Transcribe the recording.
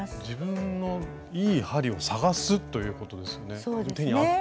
自分のいい針を探すということですね。